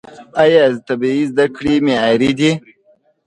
آیا طبي زده کړې معیاري دي؟